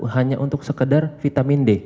hanya untuk sekedar vitamin d